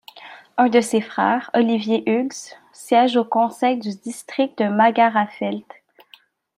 Un de ses frères, Oliver Hughes, siège au conseil du district de Magherafelt.